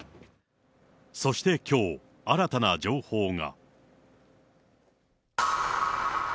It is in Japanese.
そしてきょう、新たな情報が。